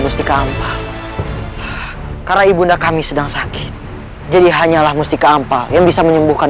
mustika apa karena ibunda kami sedang sakit jadi hanyalah mustika ampa yang bisa menyembuhkan